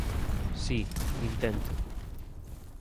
Si, intento.